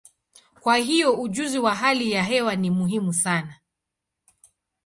Kwa hiyo, ujuzi wa hali ya hewa ni muhimu sana.